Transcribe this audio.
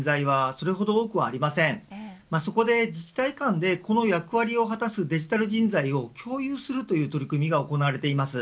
そこで自治体間でこの役割を果たすデジタル人材を共有するという取り組みが行われています。